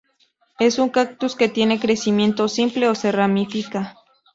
Es un cactus que tiene crecimiento simple o se ramifica.